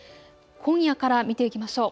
今夜から見ていきましょう。